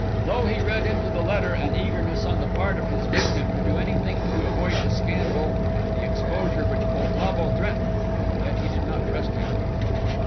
Though he read into the letter an eagerness on the part of his victim to do anything to avoid the scandal and the exposure which Poltavo threatened, yet he did not trust him.